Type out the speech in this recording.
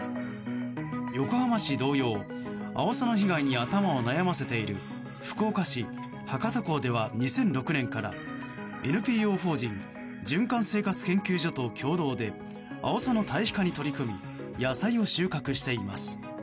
横浜市同様アオサの被害に頭を悩まさせている福岡市博多港では２００６年からＮＰＯ法人循環生活研究所と共同でアオサの堆肥化に取り組み野菜を収穫しています。